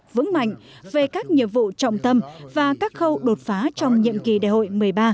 vững mạnh về các nhiệm vụ trọng tâm và các khâu đột phá trong nhiệm kỳ đại hội một mươi ba